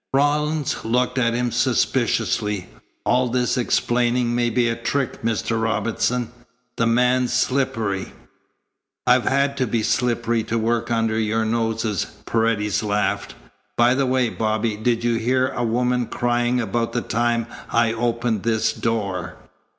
Rawlins looked at him suspiciously. "All this explaining may be a trick, Mr. Robinson. The man's slippery." "I've had to be slippery to work under your noses," Paredes laughed. "By the way, Bobby, did you hear a woman crying about the time I opened this door?"